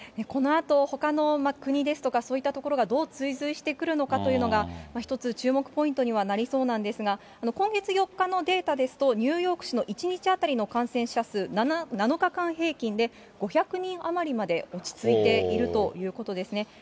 このあと、ほかの国ですとか、そういったところがどう追随してくるのかというのが、一つ、注目ポイントにはなりそうなんですが、今月４日のデータですと、ニューヨーク市の１日当たりの感染者数、７日間平均で５００人余りまで落ち着いているということですね。